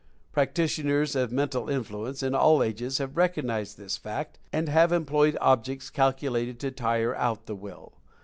Practitioners of Mental Influence in all ages have recognized this fact and have employed objects calculated to tire out the Will.